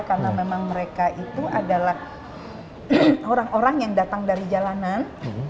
karena memang mereka itu adalah orang orang yang datang dari jalanan